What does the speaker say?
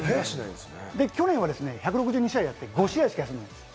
去年は１６２試合やって５試合しか休んでないんです。